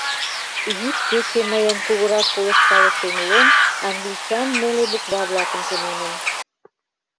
Йӱд-кече мыйын кугурак полышкалышем Лом англичан неле буква-влакым тунемын.